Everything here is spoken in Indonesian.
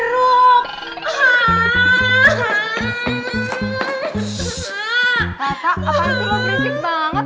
kakak apaan sih lo berisik banget